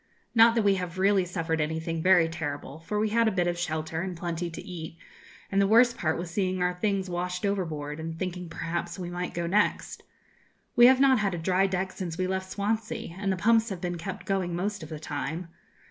Not that we have really suffered anything very terrible, for we had a bit of shelter, and plenty to eat, and the worst part was seeing our things washed overboard, and thinking perhaps we might go next. We have not had a dry deck since we left Swansea, and the pumps have been kept going most of the time.